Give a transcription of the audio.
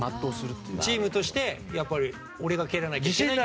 チームとして俺が蹴らなきゃと。